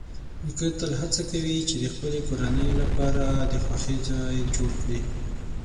نیکه تل هڅه کوي چې د خپل کورنۍ لپاره د خوښۍ ځای جوړ کړي.